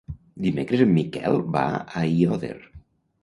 Dimecres en Miquel va a Aiòder.